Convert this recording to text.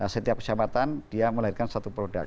setiap kecamatan dia melahirkan satu produk